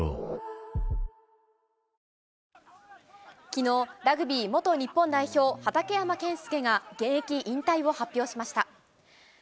神戸、ラグビー元日本代表、畠山健介が現役引退を発表しました。